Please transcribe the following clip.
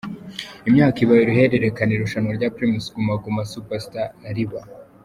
Imyaka ibaye uruhererekane irushanwa rya Primus Guma Guma Super Star riba.